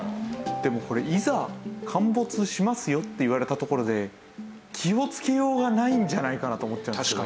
でもこれいざ陥没しますよって言われたところで気をつけようがないんじゃないかなと思っちゃうんですけど。